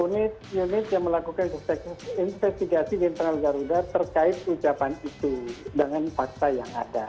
unit unit yang melakukan investigasi di internal garuda terkait ucapan itu dengan fakta yang ada